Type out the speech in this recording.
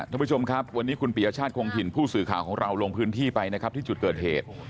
ท่านผู้ชมครับวันนี้คุณปียชาติคงถิ่นผู้สื่อข่าวของเราลงพื้นที่ไปนะครับที่จุดเกิดเหตุ